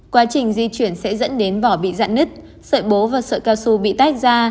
quá trình di chuyển sẽ dẫn đến vỏ bị dặn nứt sợi bố và sợi cao su bị tách ra